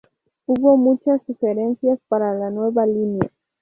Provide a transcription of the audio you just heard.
Hubo muchas sugerencias para la nueva línea.